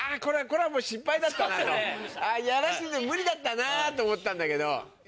やらしてて無理だったなと思ったんだけど。